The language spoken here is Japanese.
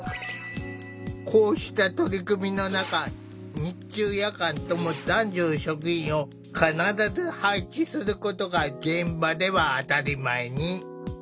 こうした取り組みの中日中夜間とも男女の職員を必ず配置することが現場では当たり前に。